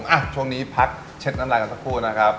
อ่ะช่วงนี้พักเช็ดน้ำลายกันสักครู่นะครับ